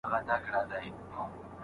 په مشوکه په منګول او په شهپر سي